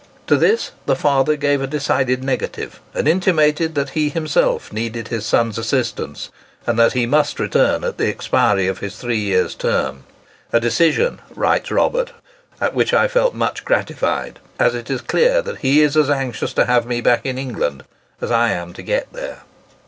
To this the father gave a decided negative, and intimated that he himself needed his son's assistance, and that he must return at the expiry of his three years' term,—a decision, writes Robert, "at which I feel much gratified, as it is clear that he is as anxious to have me back in England as I am to get there."